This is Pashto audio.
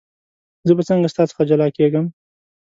زه به څنګه ستا څخه جلا کېږم.